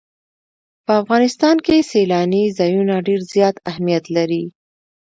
په افغانستان کې سیلاني ځایونه ډېر زیات اهمیت لري.